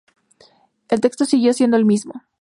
El texto siguió siendo el mismo.